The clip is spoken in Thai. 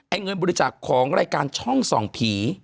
เงินบริจาคของรายการช่องส่องผี